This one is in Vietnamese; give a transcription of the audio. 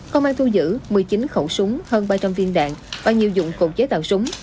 công an thu giữ một mươi chín khẩu súng hơn ba trăm linh viên đạn và nhiều dụng cụ chế tạo súng